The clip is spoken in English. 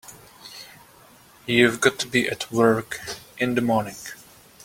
You've got to be at work in the morning.